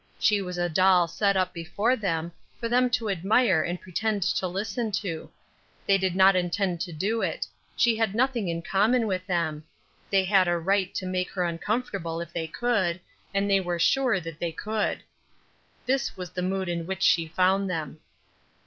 She was a doll set up before them for them to admire and pretend to listen to; they did not intend to do it; she had nothing in common with them; they had a right to make her uncomfortable if they could, and they were sure that they could. This was the mood in which she found them.